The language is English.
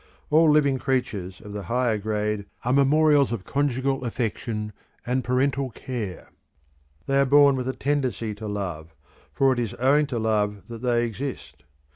All living creatures of the higher grade are memorials of conjugal affection and parental care; they are born with a tendency to love, for it is owing to love that they exist.